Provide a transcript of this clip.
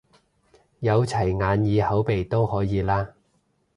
有齊眼耳口鼻都可以啦？